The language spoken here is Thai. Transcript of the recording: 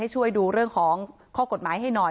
ช่วยดูเรื่องของข้อกฎหมายให้หน่อย